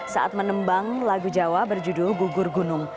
saat menembang lagu jawa berjudul gugur gunung